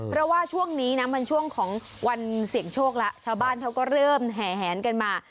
เพราะว่าช่วงนี้นะมันช่วงของวันเสี่ยงโชคแล้วชาวบ้านเขาก็เริ่มแห่แหนกันมา